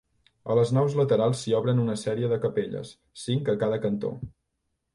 A les naus laterals s'hi obren una sèrie de capelles, cinc a cada cantó.